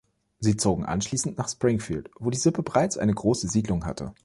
Sie zogen anschließend nach Springfield, wo die Sippe bereits eine große Siedlung hatte.